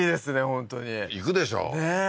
本当に行くでしょうねえ